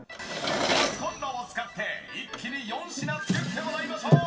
ガスコンロを使って一気に４品作ってもらいましょう！